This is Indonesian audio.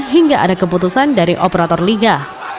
hingga ada keputusan dari operator liga